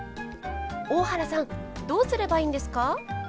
大原さんどうすればいいんですか？